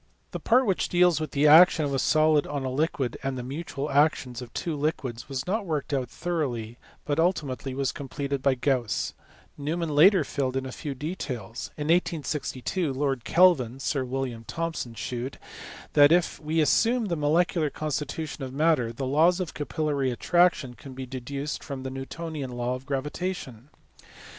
The part which deals with the action of a solid on a liquid and the mutual action of two liquids was not worked out thoroughly, but ultimately was completed by Gauss : Neumann later filled in a few details. In 1862 Lord Kelvin (Sir William Thomson) shewed that, if we assume the molecular constitution of matter, the laws of capillary attraction can be deduced from the Newtonian law of gravitation.